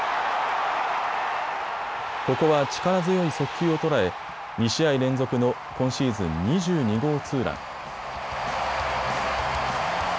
ここは力強い速球を捉え、２試合連続の今シーズン２２号ツーラン。